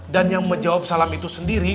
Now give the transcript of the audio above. dan yang menjawab salam itu sendiri